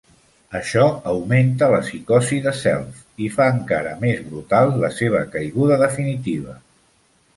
Això augmenta la psicosi de Self i fa encara més brutal la seva caiguda definitiva.